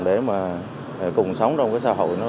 để cùng sống trong xã hội